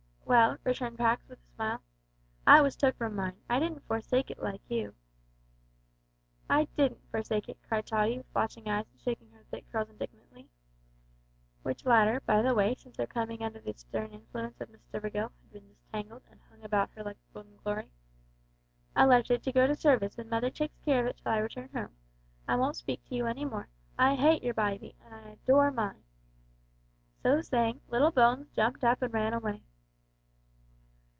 "Well," returned Pax, with a smile, "I was took from mine. I didn't forsake it like you." "I didn't forsake it," cried Tottie, with flashing eyes, and shaking her thick curls indignantly which latter, by the way, since her coming under the stern influence of Miss Stivergill, had been disentangled, and hung about her like a golden glory. "I left it to go to service, and mother takes care of it till I return home. I won't speak to you any more. I hate your bybie, and I adore mine!" So saying, little Bones jumped up and ran away.